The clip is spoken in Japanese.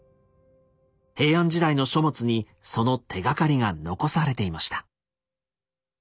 平安時代の書物にその手がかりが残されていました。